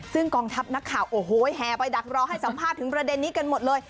ซึ่งกองทัพนักข่าวโอ้โหแห่ไปดักรอให้สัมภาษณ์ถึงประเด็นนี้กันหมดเลย